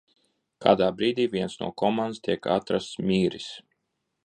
Kādā brīdī viens no komandas tiek atrasts miris.